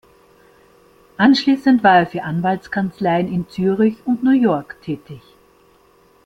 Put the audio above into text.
Anschliessend war er für Anwaltskanzleien in Zürich und New York tätig.